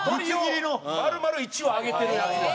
鶏を丸々１羽揚げてるやつです。